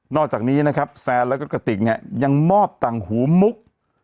นอกจากนี้แซนและก็กติกยังมอบตังหูมุก